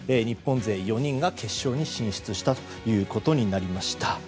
日本勢４人が決勝に進出したことになりました。